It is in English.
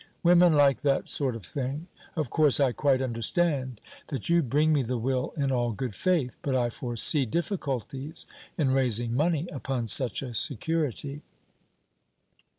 Women like that sort of thing. Of course, I quite understand that you bring me the will in all good faith; but I foresee difficulties in raising money upon such a security."